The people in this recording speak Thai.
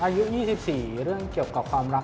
อายุ๒๔เรื่องเกี่ยวกับความรัก